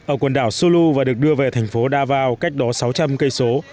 ở quần đảo sulu và được đưa về thành phố davao cách đó sáu trăm linh km